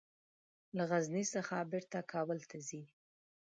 له غزني څخه بیرته کابل ته ځي.